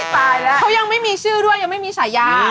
ตายแล้วเขายังไม่มีชื่อด้วยยังไม่มีฉายา